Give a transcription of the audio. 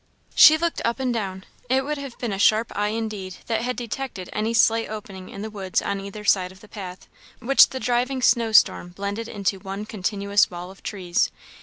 She looked up and down. It would have been a sharp eye indeed that had detected any slight opening in the woods on either side of the path, which the driving snow storm blended into one continuous wall of trees.